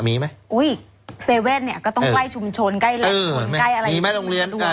มีไหมอุ้ยเซเว่นเนี้ยก็ต้องใกล้ชุมชนใกล้เออมีไหมโรงเรียนอ่า